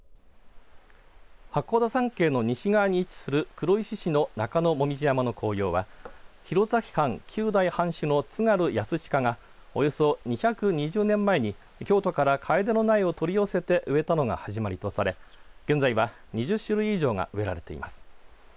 八甲田山系の西側に位置する黒石市の中野もみじ山の紅葉は弘前藩９代藩主の津軽寧親がおよそ２２０年前に京都からカエデの苗を取り寄せて植えたのが始まりとされ現在は２０種類以上が植えられています。